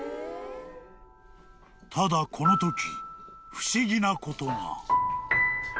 ［ただこのとき不思議なことが］